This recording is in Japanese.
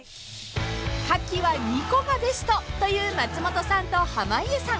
［牡蠣は２個がベストという松本さんと濱家さん］